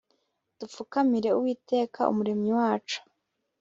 dupfukamire uwiteka, umuremyi wacu